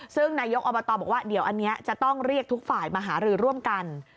ซึ่งนายกอบตบอกว่าเดี๋ยวอันนี้จะต้องเรียกทุกฝ่ายมาหารือร่วมกัน